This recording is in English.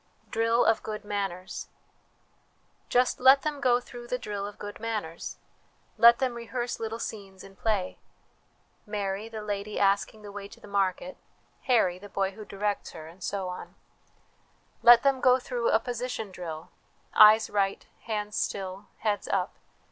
Drill of Good Manners. Just let them go through the drill of good manners: let them rehearse little scenes in play, Mary, the lady asking the way to the market ; Harry, the boy who directs her, and 'HABIT IS TEN NATURES' 133 so on. Let them go through a position drill eyes right, hands still, heads up.